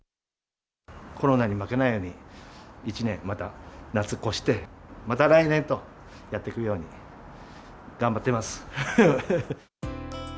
コロナに負けないように、１年また夏越して、また来年と、やってくように、頑張っています。